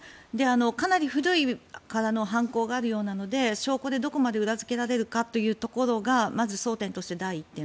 かなり古くからの犯行があるようなので証拠でどこまで裏付けられるかというところがまず争点として第１点。